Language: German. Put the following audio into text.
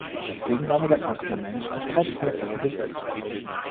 Deswegen war mir der Faktor Mensch im Stresstest wichtig.